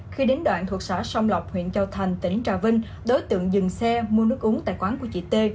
khi đến đoạn thuộc xã sông lọc huyện châu thành tỉnh trà vinh đối tượng dừng xe mua nước uống tại quán của chị t